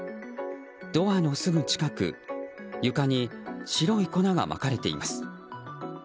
ドアのすぐ近く床に白い粉がまかれています。